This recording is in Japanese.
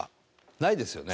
ないですよね？